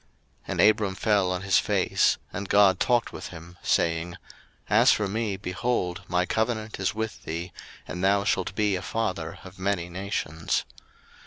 01:017:003 And Abram fell on his face: and God talked with him, saying, 01:017:004 As for me, behold, my covenant is with thee, and thou shalt be a father of many nations.